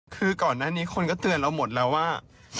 คือก่อนหน้านี้คนก็เตือนเราหมดแล้วว่า